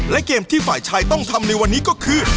และเกมที่ฝ่ายชายต้องทำในวันนี้ก็คือ